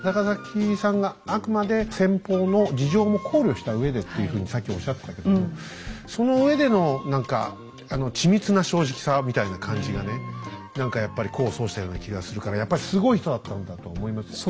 高碕さんがあくまで先方の事情も考慮したうえでっていうふうにさっきおっしゃってたけどそのうえでの何か緻密な正直さみたいな感じがね何かやっぱり功を奏したような気がするからやっぱりすごい人だったんだと思います。